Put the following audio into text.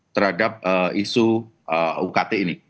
terhadap isu ukt ini